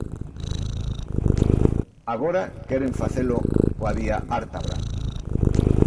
Agora queren facelo coa vía Ártabra.